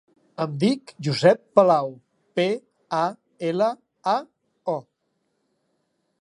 Em dic Josep Palao: pe, a, ela, a, o.